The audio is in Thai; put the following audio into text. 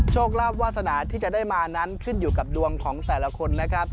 โชคลาภวาสนาที่จะได้มานั้นขึ้นอยู่กับดวงของแต่ละคนนะครับ